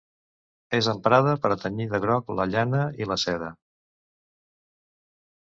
És emprada per a tenyir de groc la llana i la seda.